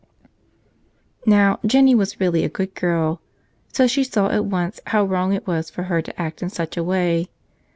Now, Jennie was really a good girl. So she saw at once how wrong it was for her to act in such a way.